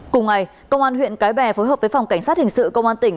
cùng ngày công an huyện cái bè phối hợp với phòng cảnh sát hình sự công an tỉnh